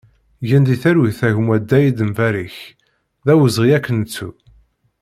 Gen di talwit a gma Daïd Mbarek, d awezɣi ad k-nettu!